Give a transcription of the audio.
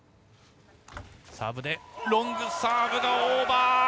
サーブでロングサーブがオーバー。